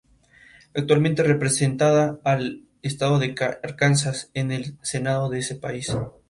Actualmente representada al estado de Arkansas en el Senado de ese país.